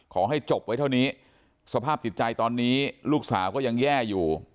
ขอให้จบไว้เท่านี้สภาพจิตใจตอนนี้ลูกสาวก็ยังแย่อยู่